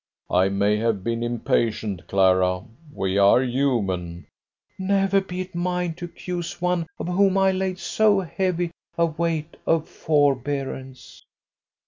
"I may have been impatient, Clara: we are human!" "Never be it mine to accuse one on whom I laid so heavy a weight of forbearance!"